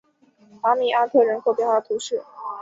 达米阿特人口变化图示